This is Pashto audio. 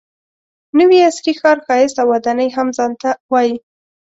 نوي عصري ښار ښایست او ودانۍ هم ځان ته وایي.